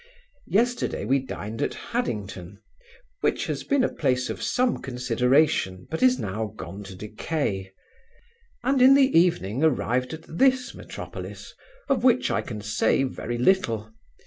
Yesterday we dined at Haddington, which has been a place of some consideration, but is now gone to decay; and in the evening arrived at this metropolis, of which I can say very little.